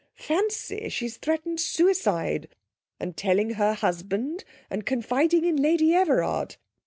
Fancy, she's threatened suicide, and telling her husband, and confiding in Lady Everard!